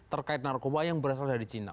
terkait narkoba yang berasal dari cina